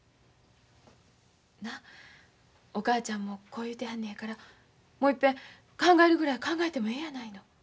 なっお母ちゃんもこう言うてはんのやからもう一遍考えるぐらい考えてもえやないの。